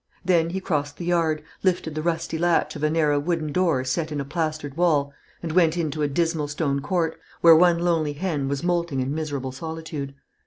Then he crossed the yard, lifted the rusty latch of a narrow wooden door set in a plastered wall, and went into a dismal stone court, where one lonely hen was moulting in miserable solitude.